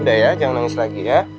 udah ya jangan nangis lagi ya